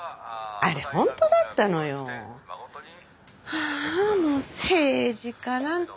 ああもう政治家なんて